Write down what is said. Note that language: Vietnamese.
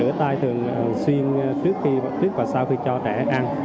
rửa tay thường xuyên trước và sau khi cho trẻ ăn